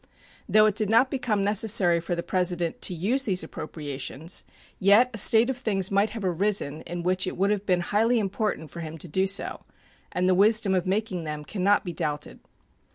Though it did not become necessary for the President to use these appropriations, yet a state of things might have arisen in which it would have been highly important for him to do so, and the wisdom of making them can not be doubted.